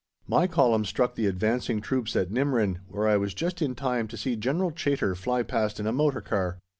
My Column struck the advancing troops at Nimrin, where I was just in time to see General Chaytor fly past in a motor car.